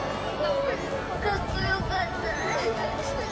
かっこよかった。